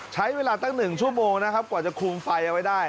ใช้เวลาตั้ง๑ชั่วโมงนะครับกว่าจะคุมไฟเอาไว้ได้